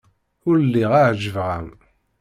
Ur lliɣ ɛejbeɣ-am.